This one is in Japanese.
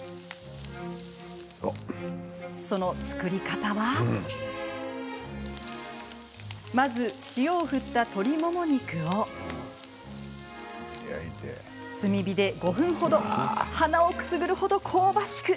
その作り方はまず、塩を振った鶏もも肉を炭火で５分程鼻をくすぐる程、香ばしく